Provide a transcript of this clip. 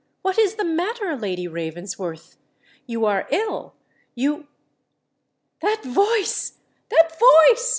what is the matter, Lady Ravensworth? You are ill—you——" "That voice—that voice!"